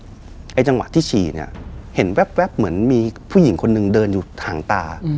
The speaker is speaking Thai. ไอ้จังหวะที่ฉี่เนี่ยเห็นแว๊บเหมือนมีผู้หญิงคนหนึ่งเดินอยู่ห่างตา